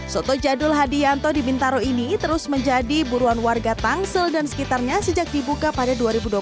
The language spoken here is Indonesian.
soto jadul hadianto di bintaro ini terus menjadi buruan warga tangsel dan sekitarnya sejak dibuka pada dua ribu dua puluh